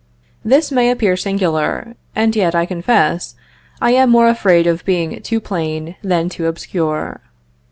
This may appear singular, and yet, I confess, I am more afraid of being too plain than too obscure.